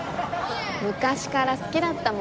昔から好きだったもんね。